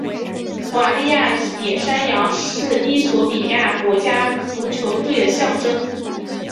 瓦利亚野山羊是衣索比亚国家足球队的象征。